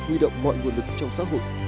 huy động mọi nguồn lực trong xã hội